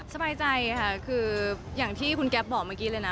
สบายใจค่ะคืออย่างที่คุณแก๊ปบอกเมื่อกี้เลยนะ